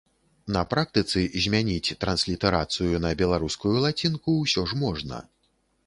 На практыцы змяніць транслітарацыю на беларускую лацінку ўсё ж можна.